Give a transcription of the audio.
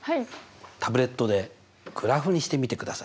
タブレットでグラフにしてみてください。